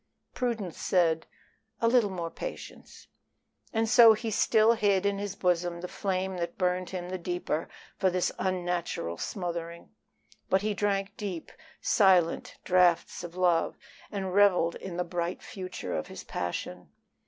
Prudence said, "A little more patience;" and so he still hid in his bosom the flame that burned him the deeper for this unnatural smothering. But he drank deep, silent draughts of love, and reveled in the bright future of his passion.